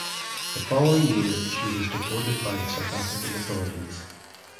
The following year she was deported by the South African authorities.